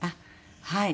はい。